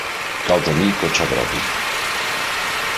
Cal tenir cotxe propi.